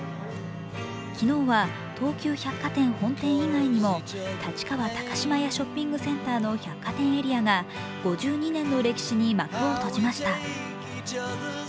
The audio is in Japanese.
昨日は東急百貨店本店以外にも立川高島屋ショッピングセンターの百貨店エリアが５２年の歴史に幕を閉じました。